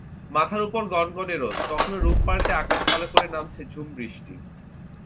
মাথার ওপর গনগনে রোদ, কখনো রূপ পাল্টে আকাশ কালো করে নামছে ঝুম বৃষ্টি।